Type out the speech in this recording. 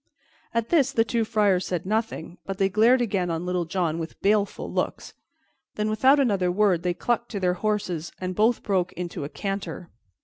At this the two friars said nothing, but they glared again on Little John with baleful looks; then, without another word, they clucked to their horses, and both broke into a canter.